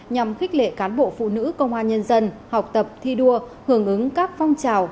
nhằm khích lệ cán bộ phụ nữ công an nhân dân học tập thi đua hưởng ứng các phong trào